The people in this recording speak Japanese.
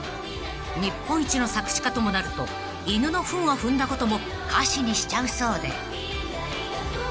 ［日本一の作詞家ともなると犬のふんを踏んだことも歌詞にしちゃうそうで］